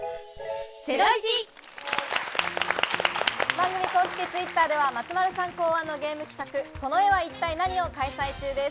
番組公式Ｔｗｉｔｔｅｒでは、松丸さん考案のゲーム企画「この絵は一体ナニ！？」を開催中です。